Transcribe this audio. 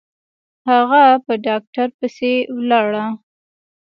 هغه په ډاکتر پسې ولاړه.